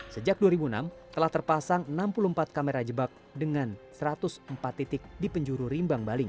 sejak dua ribu enam telah terpasang enam puluh empat kamera jebak dengan satu ratus empat titik di penjuru rimbang bali